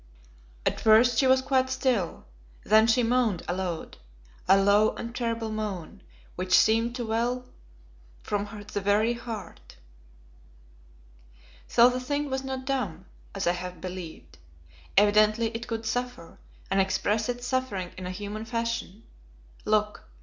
At first she was quite still, then she moaned aloud, a low and terrible moan, which seemed to well from the very heart. So the thing was not dumb, as I had believed. Evidently it could suffer, and express its suffering in a human fashion. Look!